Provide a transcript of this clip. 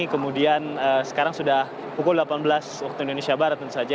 kemudian sekarang sudah pukul delapan belas waktu indonesia barat tentu saja